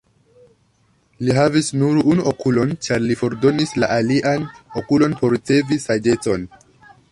Li havis nur unu okulon, ĉar li fordonis la alian okulon por ricevi saĝecon.